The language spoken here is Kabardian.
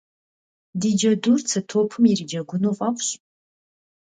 Ди джэдур цы топым ириджэгуну фӏэфӏщ.